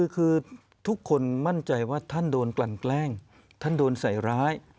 คือทุกคนมั่นใจว่าท่านโดนกลั่นแกล้งท่านโดนใส่ร้าย